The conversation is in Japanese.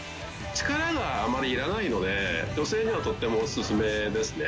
力があまりいらないので、女性にとってもお勧めですね。